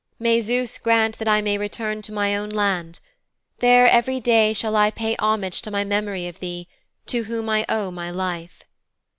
May Zeus grant that I may return to my own land. There every day shall I pay homage to my memory of thee, to whom I owe my life.'